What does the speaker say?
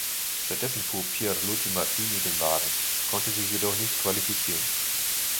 Stattdessen fuhr Pierluigi Martini den Wagen, konnte sich jedoch nicht qualifizieren.